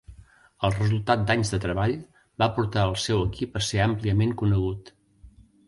El resultat d'anys de treball va portar al seu equip a ser àmpliament conegut.